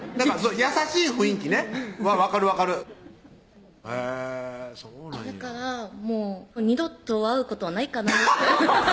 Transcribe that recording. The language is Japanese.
優しい雰囲気ね分かる分かるへぇそうなんやだからもう二度と会うことはないかなぁアハハハ！